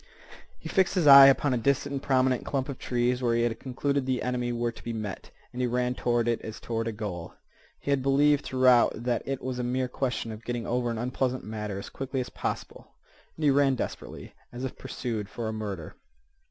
He fixed his eye upon a distant and prominent clump of trees where he had concluded the enemy were to be met, and he ran toward it as toward a goal. He had believed throughout that it was a mere question of getting over an unpleasant matter as quickly as possible, and he ran desperately, as if pursued for a murder.